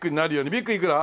ビッグいくら？